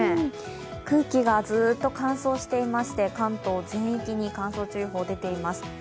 空気がずっと乾燥していまして関東全域に乾燥注意報が出ています。